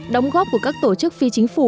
đóng góp của các tổ chức phi chính phủ